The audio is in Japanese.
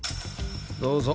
どうぞ。